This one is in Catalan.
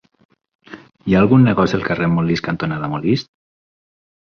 Hi ha algun negoci al carrer Molist cantonada Molist?